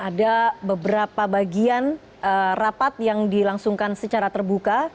ada beberapa bagian rapat yang dilangsungkan secara terbuka